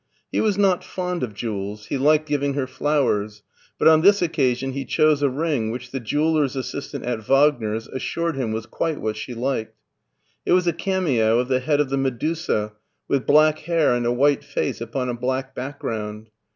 He was not fond of jewels; he liked giving her flowers, but on this occasion he chose a ring which the jeweller's assistant at Wagner's assured him v^ras quite what she liked. It was a cameo of the head of the Medusa, with black hair and a white face upon a black background.